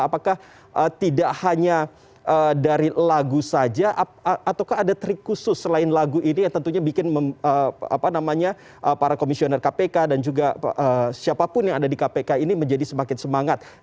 apakah tidak hanya dari lagu saja ataukah ada trik khusus selain lagu ini yang tentunya bikin para komisioner kpk dan juga siapapun yang ada di kpk ini menjadi semakin semangat